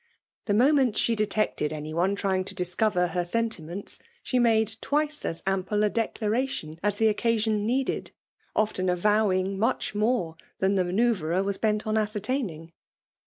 The monKeBit:Sheder tected any one trying to discover her settti ments, she made twice BJk ample a dedafcatidti) as the occasion needed, often avowing mueht more than the manceuvrer was bent on asecur^^ tidning.